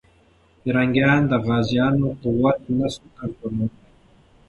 پرنګیان د غازيانو قوت نه سو کنټرولولی.